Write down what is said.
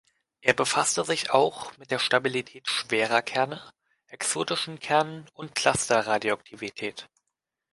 Er befasste sich auch mit der Stabilität schwerer Kerne, exotischen Kernen und Cluster-Radioaktivität.